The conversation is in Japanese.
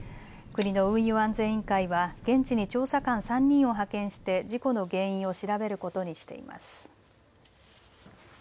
国の運輸安全委員会は現地に調査官３人を派遣して事故の原因を調べることにしています。